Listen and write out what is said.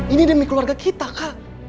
ini demi keluarga kita kak